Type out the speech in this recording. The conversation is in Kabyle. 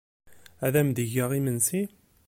Ad am-d-geɣ imensi?